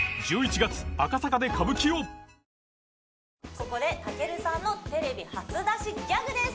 ここでたけるさんのテレビ初出しギャグです